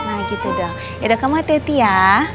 nah gitu dong yaudah kamu hati hati ya